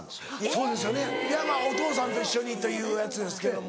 そうですよねお父さんと一緒にというやつですけども。